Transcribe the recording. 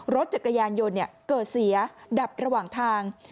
รถจักรยานยนต์เกิดเสียดับระหว่างทาง